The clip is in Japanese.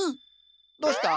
どうした？